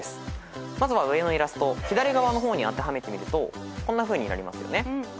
まずは上のイラスト左側の方に当てはめてみるとこんなふうになりますよね。